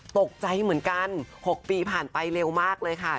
ตกใจเหมือนกัน๖ปีผ่านไปเร็วมากเลยค่ะ